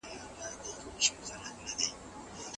د تاريخ لوستل انسان ته زغم ور زده کوي.